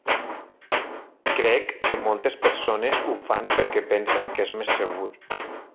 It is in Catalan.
Crec que moltes persones ho fan perquè pensen que és més segur.